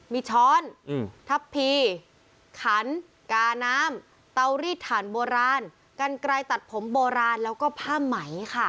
มีช้อนทัพพีขันกาน้ำเตารีดถ่านโบราณกันไกลตัดผมโบราณแล้วก็ผ้าไหมค่ะ